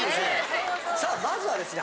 さあまずはですね